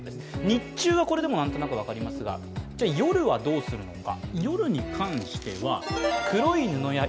日中はこれまでも何となく分かりますが、夜はどうするのか。